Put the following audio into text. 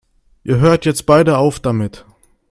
Ihr hört jetzt beide auf damit!